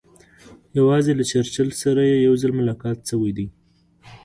یوازې له چرچل سره یې یو ځل ملاقات شوی دی.